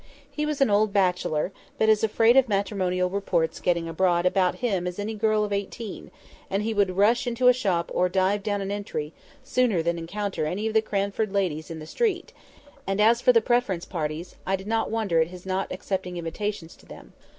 He was an old bachelor, but as afraid of matrimonial reports getting abroad about him as any girl of eighteen: and he would rush into a shop or dive down an entry, sooner than encounter any of the Cranford ladies in the street; and, as for the Preference parties, I did not wonder at his not accepting invitations to them.